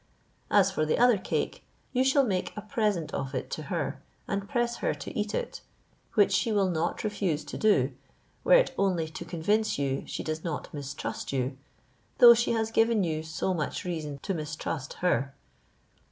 As for the other cake, you shall make a present of it to her, and press her to eat it; which she will not refuse to do, were it only to convince you she does not mistrust you, though she has given you so much reason to mistrust her.